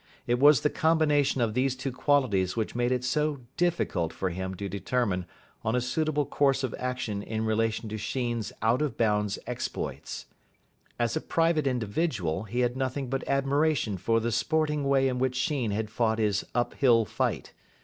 It was the combination of these two qualities which made it so difficult for him to determine on a suitable course of action in relation to Sheen's out of bounds exploits. As a private individual he had nothing but admiration for the sporting way in which Sheen had fought his up hill fight.